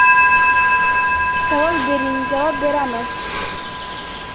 Savol bering javob beramiz...